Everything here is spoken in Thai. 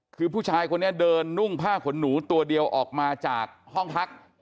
คือผู้ชายคนนี้เดินนุ่งผ้าขนหนูตัวเดียวออกมาจากห้องพัก